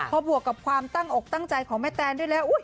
พอบวกกับความตั้งอกตั้งใจของแม่แตนได้แล้ว